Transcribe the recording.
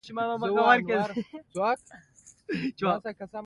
• انګور د عصبي فشار کمولو کې مرسته کوي.